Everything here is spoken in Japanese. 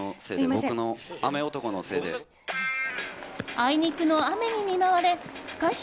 あいにくの雨に見舞われ開始